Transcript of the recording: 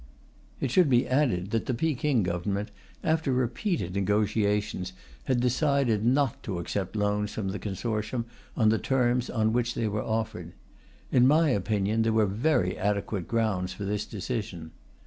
It should be added that the Peking Government, after repeated negotiations, had decided not to accept loans from the consortium on the terms on which they were offered. In my opinion, there were very adequate grounds for this decision.